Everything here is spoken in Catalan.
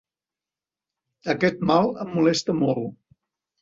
Aquest mal em molesta molt.